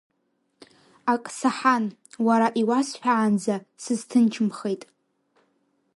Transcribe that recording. Ак саҳан, уара иуасҳәаанӡа сызҭынчымхеит.